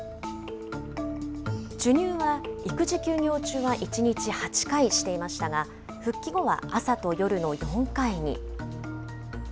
授乳は育児休業中は１日８回していましたが、復帰後は朝と夜の４回に。